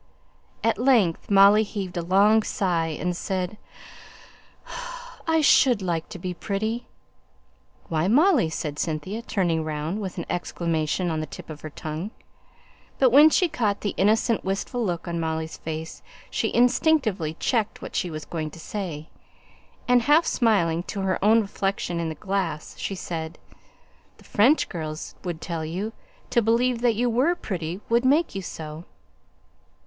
At length, Molly heaved a long sigh, and said, "I should like to be pretty!" "Why, Molly," said Cynthia, turning round with an exclamation on the tip of her tongue; but when she caught the innocent, wistful look on Molly's face, she instinctively checked what she was going to say, and, half smiling to her own reflection in the glass, she said, "The French girls would tell you, to believe that you were pretty would make you so."